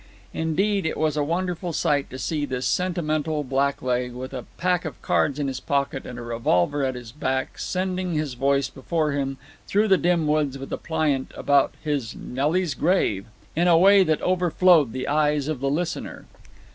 Indeed, it was a wonderful sight to see this sentimental blackleg, with a pack of cards in his pocket and a revolver at his back, sending his voice before him through the dim woods with a plaint about his "Nelly's grave" in a way that overflowed the eyes of the listener.